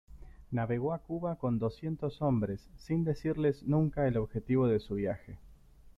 Navegó a Cuba con doscientos hombres, sin decirles nunca el objetivo de su viaje.